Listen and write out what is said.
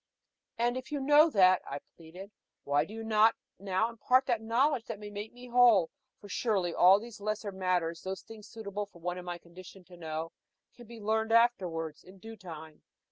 "And if you know that," I pleaded, "why do you not now impart the knowledge that can make me whole? For surely, all those lesser matters those things suitable for one in my condition to know can be learned afterwards, in due time.